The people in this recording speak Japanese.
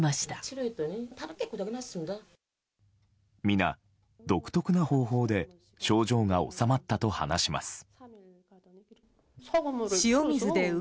皆、独特な方法で症状が治まったと話します。